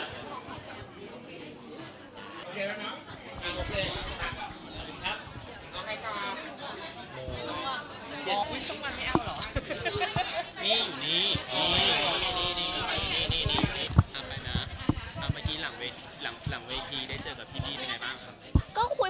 รู้ค่ะก็ไม่ได้มีอะไรพูดคุย